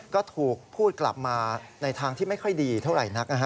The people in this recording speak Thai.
ก็ถูกพูดกลับมาในทางที่ไม่ค่อยดีเท่าไหร่นักนะฮะ